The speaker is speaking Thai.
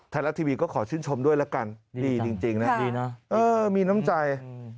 ไทยรัฐทีวีก็ขอชื่นชมด้วยละกันดีจริงนะดีนะเออมีน้ำใจ